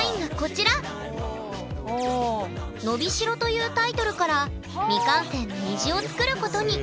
「のびしろ」というタイトルから未完成の虹を作ることに！